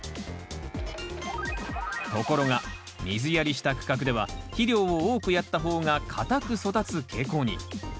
ところが水やりした区画では肥料を多くやった方が硬く育つ傾向に。